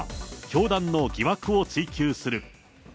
教団の疑惑を追及する。